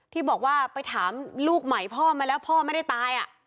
ที่บอกว่าไปถามลูกใหม่พ่อมาแล้วพ่อไม่ได้ตาย